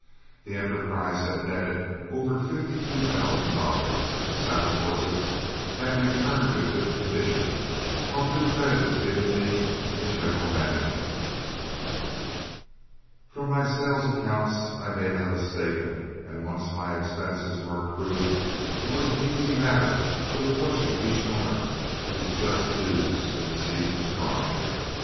The enterprise had netted over fifty two thousand dollars, the saddle horses had returned in good condition, while due credit was given me in the general management. From my sale accounts I made out a statement, and once my expenses were approved it was an easy matter to apportion each owner his just dues in the season's drive.